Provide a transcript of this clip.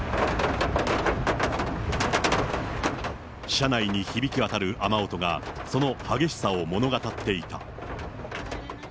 車内に響き渡る雨音が、その激しさを物語っていた。